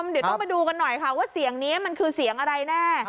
เดี๋ยวต้องไปดูกันหน่อยค่ะว่าเสียงนี้มันคือเสียงอะไรแน่